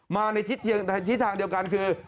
มาในทิศทางเดียวกันคือ